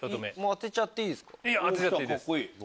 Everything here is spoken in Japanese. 当てちゃっていいです。